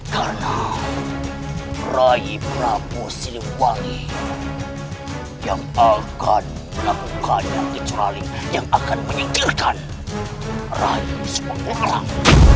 karena rai prabowo siluwali yang akan melakukan yang kecuali yang akan menyingkirkan rai subang larang